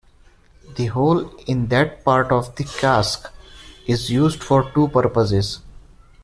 The hole in that part of the cask is used for two purposes.